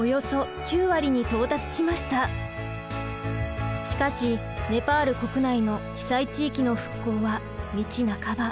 その結果しかしネパール国内の被災地域の復興は道半ば。